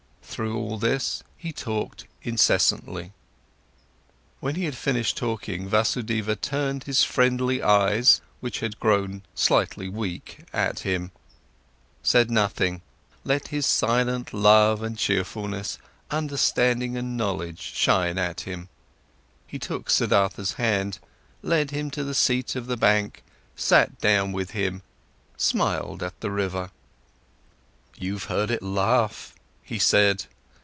Throughout all this, he talked incessantly. When he had finished talking, Vasudeva turned his friendly eyes, which had grown slightly weak, at him, said nothing, let his silent love and cheerfulness, understanding and knowledge, shine at him. He took Siddhartha's hand, led him to the seat by the bank, sat down with him, smiled at the river. "You've heard it laugh," he said.